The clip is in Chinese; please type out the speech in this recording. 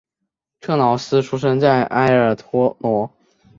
克劳斯出生在埃尔托罗。